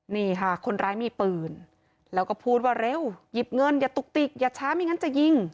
นี่ค่ะคนร้ายมีปืนแล้วก็พูดว่าเร็วหยิบเงินอย่าตุกติกอย่าช้าไม่งั้นจะยิง